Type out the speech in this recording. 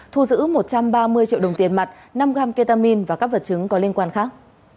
triệu đồng tiền mặt năm g ketamine và các vật chứng có liên quan khác